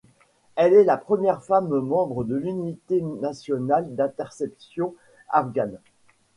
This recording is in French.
Elle est la première femme membre de l'Unité nationale d'interception afghane.